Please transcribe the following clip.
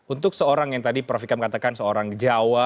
untuk seorang yang tadi prof vika mengatakan seorang jawa